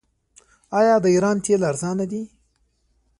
آیا د ایران تیل ارزانه دي؟